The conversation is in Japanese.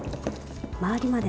周りまで。